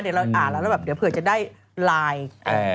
เดี๋ยวเราอ่านแล้วแล้วแบบเดี๋ยวเผื่อจะได้ไลน์